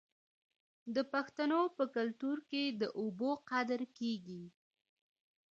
د پښتنو په کلتور کې د اوبو قدر کیږي.